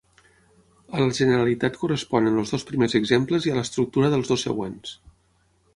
A la generalitat corresponen els dos primers exemples i a l'estructura dels dos següents.